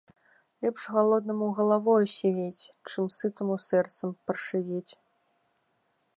Лепш галоднаму галавою сівець, чым сытаму сэрцам паршывець.